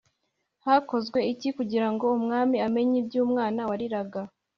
Hakozwe iki kugirango umwami amenye iby’umwana wariraga